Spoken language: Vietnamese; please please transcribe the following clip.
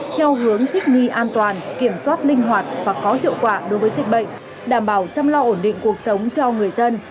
theo hướng thích nghi an toàn kiểm soát linh hoạt và có hiệu quả đối với dịch bệnh đảm bảo chăm lo ổn định cuộc sống cho người dân